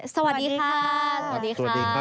สวัสดีค่ะ